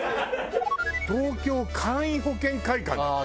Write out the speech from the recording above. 東京簡易保険会館だって。